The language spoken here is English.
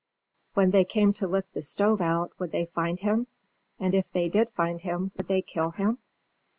When they came to lift the stove out, would they find him? and if they did find him, would they kill him?